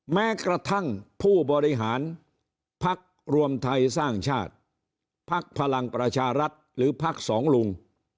แม้กระทั่งผู้บริหารพักรวมไทยสร้างชาติพักพลังประชารัฐหรือพักสองลุง